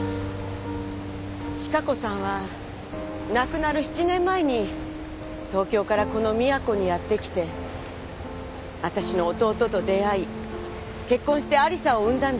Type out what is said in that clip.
千加子さんは亡くなる７年前に東京からこの宮古にやってきて私の弟と出会い結婚して亜理紗を産んだんです。